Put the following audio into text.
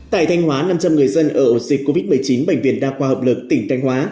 tại thanh hóa năm trăm linh người dân ở dịp covid một mươi chín bệnh viện đa khoa hợp lực tỉnh thanh hóa